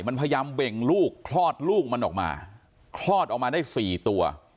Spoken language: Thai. มันพยายามเบ่งลูกคลอดลูกมันออกมาคลอดออกมาได้สี่ตัว